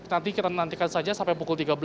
nanti kita nantikan saja sampai pukul tiga belas